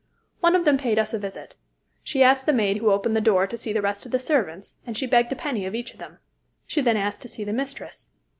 One of them paid us a visit. She asked the maid who opened the door to see the rest of the servants, and she begged a penny of each of them. She then asked to see the mistress.